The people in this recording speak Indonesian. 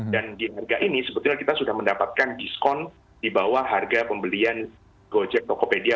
dan di harga ini sebetulnya kita sudah mendapatkan diskon di bawah harga pembelian gojek tokopedia